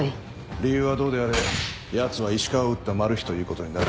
理由はどうであれヤツは石川を撃ったマルヒということになる。